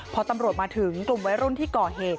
พอตำรวจมาถึงกลุ่มวัยรุ่นที่ก่อเหตุ